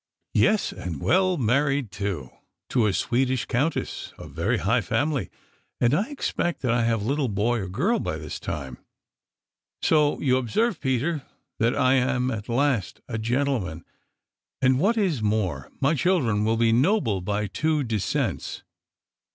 "Yes, and well married, too to a Swedish countess of very high family and I expect that I have a little boy or girl by this time. So you observe, Peter, that I am at last a gentleman, and, what is more, my children will be noble by two descents.